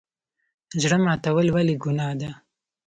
زړه ماتول ولې ګناه ده؟